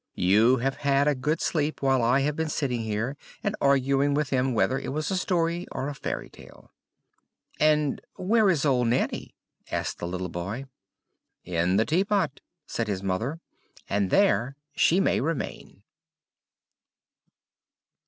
"You have had a good sleep while I have been sitting here, and arguing with him whether it was a story or a fairy tale." "And where is old Nanny?" asked the little boy. "In the tea pot," said his mother; "and there she may remain."